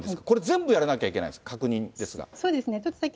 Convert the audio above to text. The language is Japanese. これ全部やらなきゃいけないんですか、確認ですが。